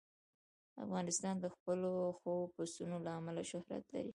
افغانستان د خپلو ښو پسونو له امله شهرت لري.